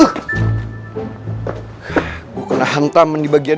yang merupakan bikin kondisi ketanegaraan bougie sama dengan aries